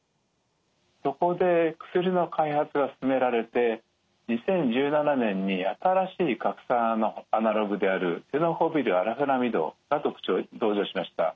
そこで薬の開発が進められて２０１７年に新しい核酸アナログであるテノホビル・アラフェナミドが登場しました。